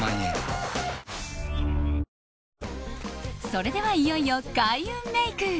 それではいよいよ開運メイク！